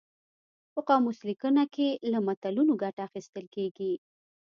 په قاموس لیکنه کې له متلونو ګټه اخیستل کیږي